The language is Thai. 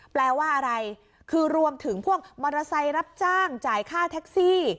แปลว่าอะไรคือรวมถึงพวกมอเตอร์ไซค์รับจ้างจ่ายค่าแท็กซี่